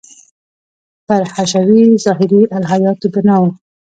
پر حشوي – ظاهري الهیاتو بنا و.